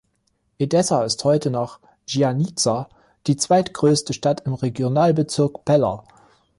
Edessa ist heute nach Giannitsa die zweitgrößte Stadt im Regionalbezirk Pella.